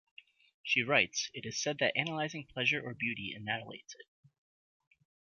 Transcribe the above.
She writes, It is said that analysing pleasure or beauty annihilates it.